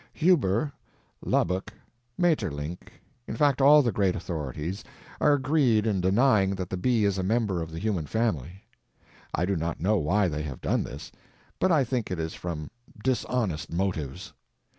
Huber, Lubbock, Maeterlinck—in fact, all the great authorities—are agreed in denying that the bee is a member of the human family. I do not know why they have done this, but I think it is from dishonest motives.